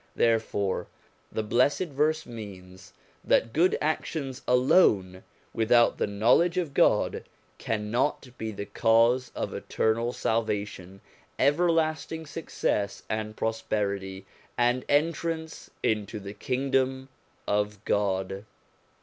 Therefore the blessed verse means that good actions alone, without the knowledge of God, cannot be the cause of eternal salvation, everlasting success, and prosperity, and entrance into the Kingdom of God.